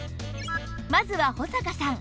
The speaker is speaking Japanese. まずは保坂さん